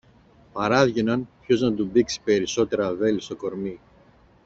παράβγαιναν ποιος να του μπήξει περισσότερα βέλη στο κορμί.